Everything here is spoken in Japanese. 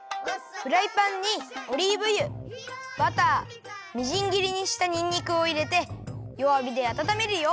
フライパンにオリーブ油バターみじん切りにしたにんにくをいれてよ